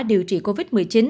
điều trị covid một mươi chín